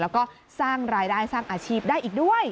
แล้วก็สร้างรายได้สร้างอาชีพได้อีกด้วย